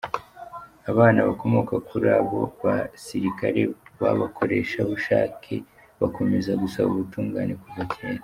Abana bakomoka kuri abo basirikare b'abakorerabushake bakomeje gusaba ubutungane kuva kera.